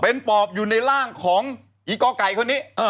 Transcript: เป็นปอบอยู่ในร่างของอีกอไก่คนนี้